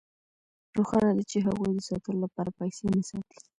روښانه ده چې هغوی د ساتلو لپاره پیسې نه ساتي